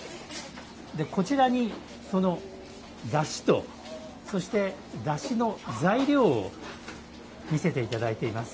こちらにだしとそして、だしの材料を見せていただいています。